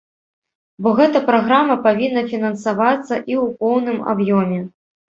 Бо гэта праграма павінна фінансавацца і ў поўным аб'ёме.